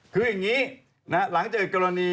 คืออย่างนี้หลังเจอกรณี